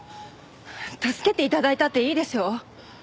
助けて頂いたっていいでしょう？